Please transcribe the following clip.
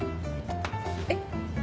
えっ？